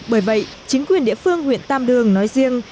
bởi vậy chính quyền địa phương huyện tam đường nói riêng